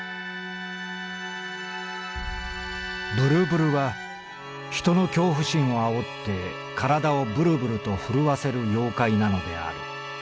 「震々は人の恐怖心をあおって体をぶるぶると震わせる妖怪なのである」。